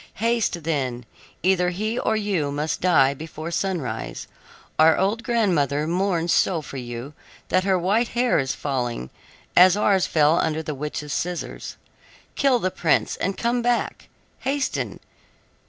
Haste, then; either he or you must die before sunrise. Our old grandmother mourns so for you that her white hair is falling, as ours fell under the witch's scissors. Kill the prince, and come back. Hasten!